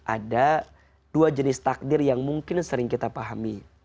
ada dua jenis takdir yang mungkin sering kita pahami